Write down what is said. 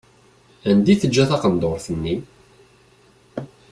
Anda i teǧǧa taqenduṛt-nni?